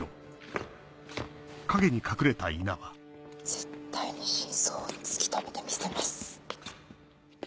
絶対に真相を突き止めてみせます。